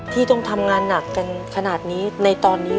ที่ต้องทำงานหนักกันขนาดนี้ในตอนนี้